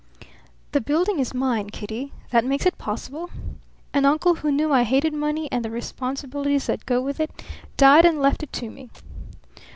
"The building is mine, Kitty. That makes it possible. An uncle who knew I hated money and the responsibilities that go with it, died and left it to me."